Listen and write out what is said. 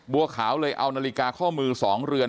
บัวขาวเลยเอานาฬิกาข้อมือ๒เรือน